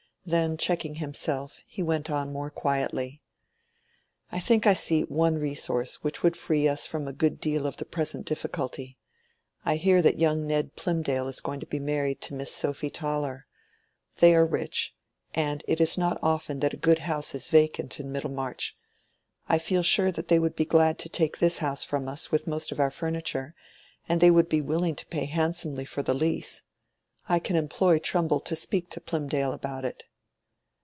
Then checking himself, he went on more quietly— "I think I see one resource which would free us from a good deal of the present difficulty. I hear that young Ned Plymdale is going to be married to Miss Sophy Toller. They are rich, and it is not often that a good house is vacant in Middlemarch. I feel sure that they would be glad to take this house from us with most of our furniture, and they would be willing to pay handsomely for the lease. I can employ Trumbull to speak to Plymdale about it."